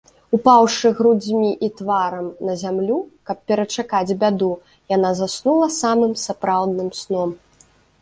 Упаўшы грудзьмі і тварам на зямлю, каб перачакаць бяду, яна заснула самым сапраўдным сном.